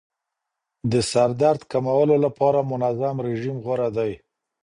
د سردرد کمولو لپاره منظم رژیم غوره دی.